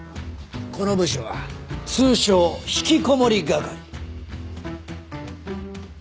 この部署は通称ひきこもり係。